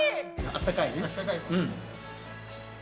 あったかいね。